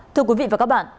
thưa quý vị và các bạn